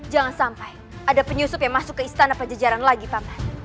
jangan sampai ada penyusup yang masuk ke istana pajajaran lagi pak